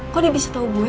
kok dia bisa tahu gue